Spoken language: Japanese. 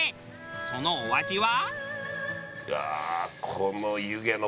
そのお味は。